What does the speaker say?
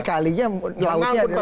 kalinya lautnya ada laut sama